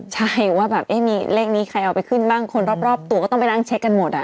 ใช่ว่าแบบมีเลขนี้ใครเอาไปขึ้นบ้างคนรอบตัวก็ต้องไปนั่งเช็คกันหมด